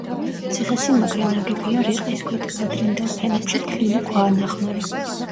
ციხესიმაგრე ნაგებია რიყის ქვით; ადრინდელ ფენებში თლილი ქვაა ნახმარი.